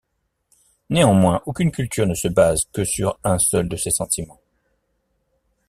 Néanmoins aucune culture ne se base que sur un seul de ces sentiments.